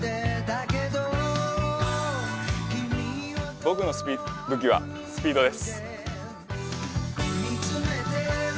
僕の武器はスピードです。